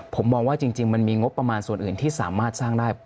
ผมมองว่าจริงมันมีงบประมาณส่วนอื่นที่สามารถสร้างได้